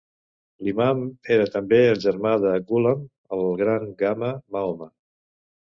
L'imam era també el germà de Ghulam "el gran Gama" Mahoma.